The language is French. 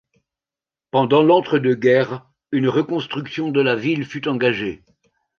Pendant l’entre deux guerres, une reconstruction de la ville fut engagée.